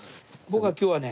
僕は今日はね。